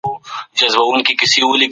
وينم بې خاره د ګل انجن